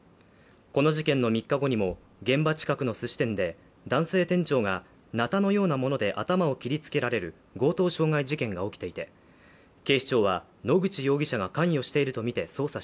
この事件の３日後にも、現場近くのすし店で、男性店長がなたのようなもので頭を切りつけられる強盗傷害事件が起きていて、楽しみですね